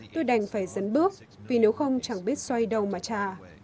tôi đành phải dấn bước vì nếu không chẳng biết xoay đâu mà trả